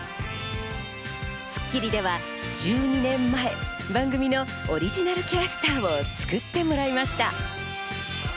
『スッキリ』では１２年前、番組のオリジナルキャラクターを作ってもらいました。